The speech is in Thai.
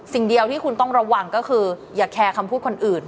สิ่งเดียวที่คุณต้องระวังก็คืออย่าแคร์คำพูดคนอื่น